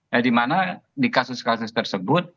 nah di mana di kasus kasus tersebut